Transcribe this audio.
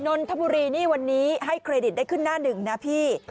นนทบุรีนี่วันนี้ให้เครดิตได้ขึ้นหน้าหนึ่งนะพี่